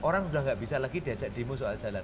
orang sudah tidak bisa lagi diajak demo soal jalan